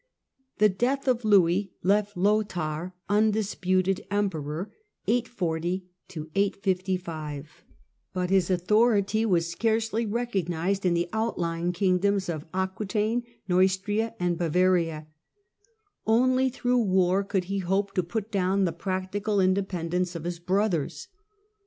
Lothair, The death of Louis left Lothair undisputed emperor, 840465 212 f * THE BREAK UP < >F THE CAROLI>"GIA>" EMPIRE 213 but his authority was scarcely recognised in the outlying kingdoms of Aquetaine, Xeustria and Bavaria. Only through war could he hope to put down the practical independence of his brothers.